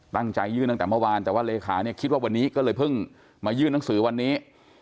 ตั้งใจยื่นตั้งแต่เมื่อวานแต่ว่าเลขาเนี่ยคิดว่าวันนี้ก็เลยเพิ่งมายื่นหนังสือวันนี้